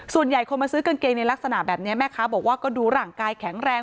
ส่วนใหญ่คนมาซื้อกางเกงในลักษณะแบบนี้แม่ค้าบอกว่าก็ดูร่างกายแข็งแรง